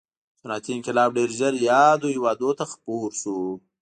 صنعتي انقلاب ډېر ژر یادو هېوادونو ته خپور شو.